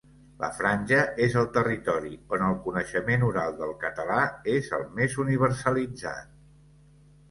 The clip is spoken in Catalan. La Franja és el territori on el coneixement oral del català és el més universalitzat.